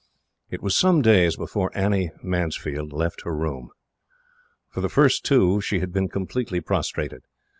It was some days before Annie Mansfield left her room. For the first two she had been completely prostrated.